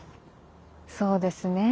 そうですね。